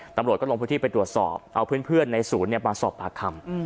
ตำรวจก็ลงพื้นที่ไปตรวจสอบเอาเพื่อนในศูนย์มาสอบปากคำ